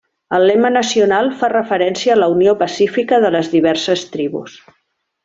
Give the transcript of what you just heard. El lema nacional fa referència a la unió pacífica de les diverses tribus.